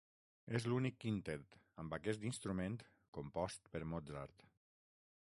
És l'únic quintet amb aquest instrument compost per Mozart.